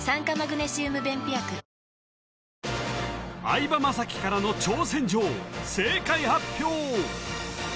相葉雅紀からの挑戦状正解発表！